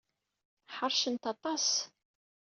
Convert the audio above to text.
Ḥeṛcent aṭas.